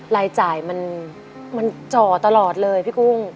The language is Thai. รายจ่ายมันจ่อตลอดเลยพี่กุ้ง